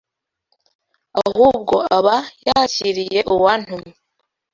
ahubwo aba yakiriye Uwantumye